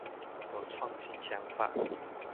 有創新想法